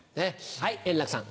はい円楽さん。